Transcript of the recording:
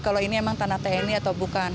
kalau ini emang tanah tni atau bukan